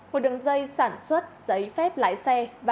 hồ đường dây sản xuất giấy phép lái xe